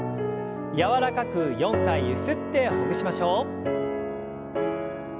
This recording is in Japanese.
柔らかく４回ゆすってほぐしましょう。